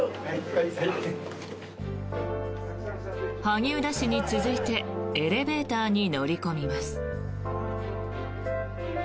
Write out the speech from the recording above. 萩生田氏に続いてエレベーターに乗り込みます。